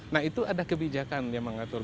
nah itu ada kebijakan yang mengatur